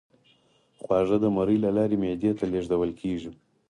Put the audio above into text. خواړه د مرۍ له لارې معدې ته لیږدول کیږي